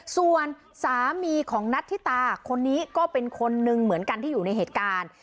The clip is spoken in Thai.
ส่วนสามีของนัทธิตาคนนี้ก็เป็นคนนึงเหมือนกันที่อยู่ในเหตุการณ์